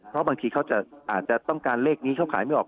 เพราะบางทีเขาอาจจะต้องการเลขนี้เขาขายไม่ออก